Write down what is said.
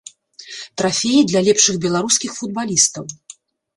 Трафеі для лепшых беларускіх футбалістаў.